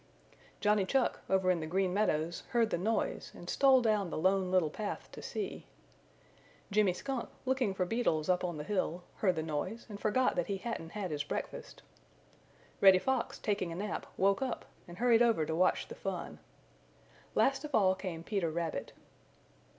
Johnny Chuck, over in the Green Meadows, heard the noise and stole down the Lone Little Path to see. Jimmy Skunk, looking for beetles up on the hill, heard the noise and forgot that he hadn't had his breakfast. Reddy Fox, taking a nap, woke up and hurried over to watch the fun. Last of all came Peter Rabbit.